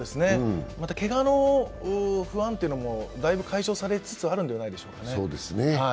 またけがの不安というのもだいぶ解消されつつあるんじゃないですかね。